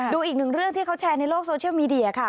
อีกหนึ่งเรื่องที่เขาแชร์ในโลกโซเชียลมีเดียค่ะ